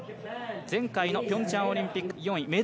前回のピョンチャンオリンピック４位。